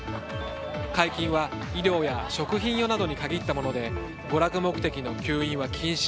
解禁は医療や食品用などに限ったもので、娯楽目的の吸引は禁止。